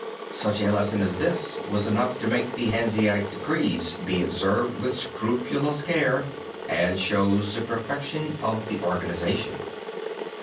Such a lesson as this was enough to make the Hanseatic decrees be observed with scrupulous care and shows the perfection of the organization.